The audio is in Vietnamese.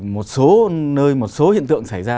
một số nơi một số hiện tượng xảy ra